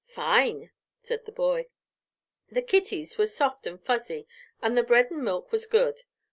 "Fine!" said the boy. "The kitties were soft an' fuzzy, an' the bread and milk was good.